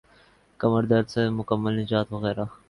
کمر درد سے مکمل نجات وغیرہ